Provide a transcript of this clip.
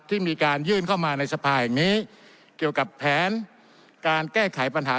ที่มีการยื่นเข้ามาในสภาแห่งนี้เกี่ยวกับแผนการแก้ไขปัญหา